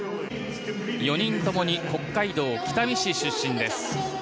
４人ともに北海道北見市出身です。